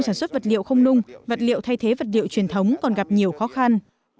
suất vật liệu không nung vật liệu thay thế vật liệu truyền thống còn gặp nhiều khó khăn